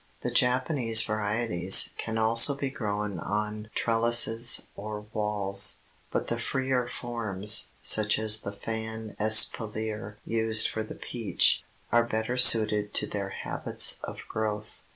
The Japanese varieties can also be grown on trellises or walls, but the freer forms, such as the fan espalier used for the peach, are better suited to their habits of growth.